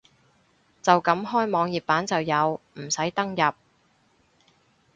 就咁開網頁版就有，唔使登入